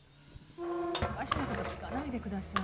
おかしな事聞かないでください。